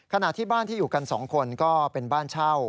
ขณะที่บ้านที่อยู่กัน๒คนก็เป็นบ้านเช่า